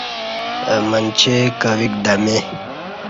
اہ منچے کویک دمیں